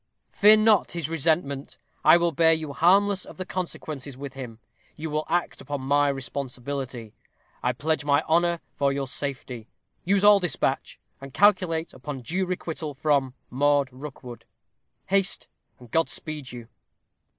Fear not his resentment; I will bear you harmless of the consequences with him. You will act upon my responsibility. I pledge my honor for your safety. Use all despatch, and calculate upon due requital from "MAUD ROOKWOOD. "Haste, and God speed you!"